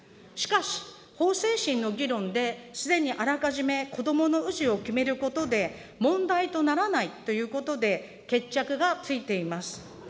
しかし、法制審の議論ですでにあらかじめ子どもの氏を決めることで問題とならないということで決着がついています。